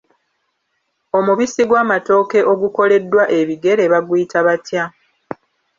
Omubisi gw'amatooke ogukoleddwa ebigere baguyita batya?